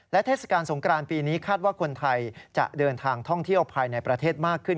และเทศกาลสงกรานปีนี้คาดว่าคนไทยจะเดินทางท่องเที่ยวภายในประเทศมากขึ้น